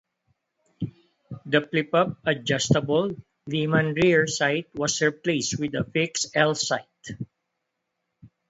The flip-up adjustable Lyman rear sight was replaced with a fixed L sight.